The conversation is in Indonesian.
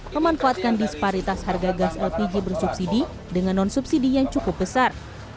memanfaatkan disparitas harga gas lpg bersubsidi dengan non subsidi yang cukup besar